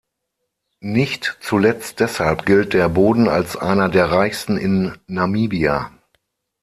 Nicht zuletzt deshalb gilt der Boden als einer der reichsten in Namibia.